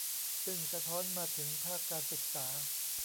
ซึ่งสะท้อนมาถึงภาคการศึกษา